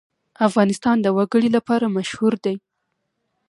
افغانستان د وګړي لپاره مشهور دی.